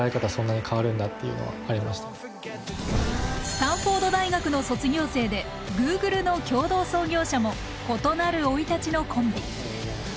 スタンフォード大学の卒業生でＧｏｏｇｌｅの共同創業者も異なる生い立ちのコンビ。